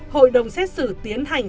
hội đồng xét xử tiến hành